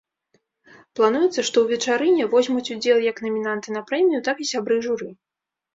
Плануецца, што ў вечарыне возьмуць удзел як намінанты на прэмію, так і сябры журы.